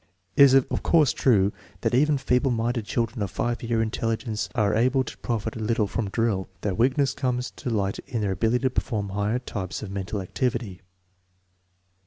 It is of course true that e,von feeble minded children of S ycar intelli gence are able to profit a little from drill. Their weakness comes to liirht in their inability to perform higher types of mental activity.